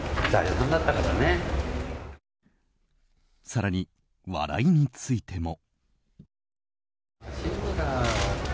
更に、笑いについても。